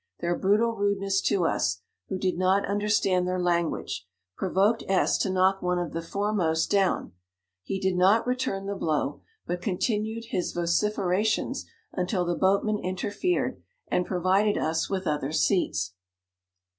Their brutal rudeness to us, who did not understand their language, provoked §*## j knock one of the foremost down : he did not return the blow, but continued his vociferations until the boatmen interfered, and provided us with other seats.